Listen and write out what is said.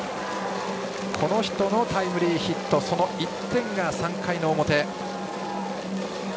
この人のタイムリーヒットその１点が３回の表。